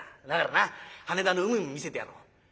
だからな羽田の海も見せてやろう。